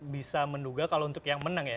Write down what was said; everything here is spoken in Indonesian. bisa menduga kalau untuk yang menang ya